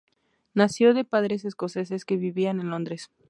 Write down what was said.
Nació de padres escoceses que vivían en Londres.